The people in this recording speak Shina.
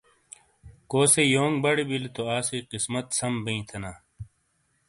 کوسئی یونگ بڑی بِیلی تو آسئی قِسمت سَم بِیں تھینا۔